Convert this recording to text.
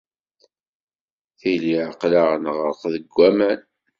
Tili aql-aɣ neɣreq deg waman.